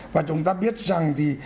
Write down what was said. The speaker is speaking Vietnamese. và chúng ta biết rằng thì